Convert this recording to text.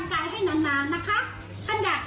คุณก็ทำใจให้นานนานนะคะท่านอยากจะได้เงินหรอ